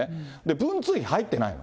文通費、入ってないの。